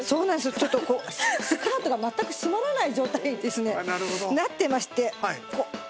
ちょっとスカートが全く締まらない状態にですねなってまして。